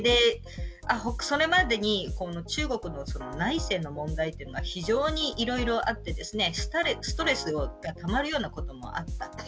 それまでに、中国の内政の問題というのは非常にいろいろあってストレスがたまるようなこともあった。